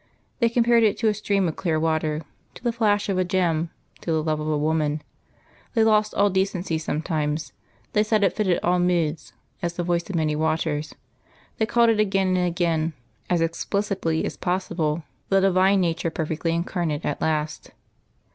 They compared it to a stream of clear water, to the flash of a gem, to the love of woman. They lost all decency sometimes; they said it fitted all moods, as the voice of many waters; they called it again and again, as explicitly as possible, the Divine Nature perfectly Incarnate at last....